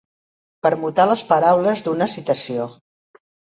Permutar les paraules d'una citació.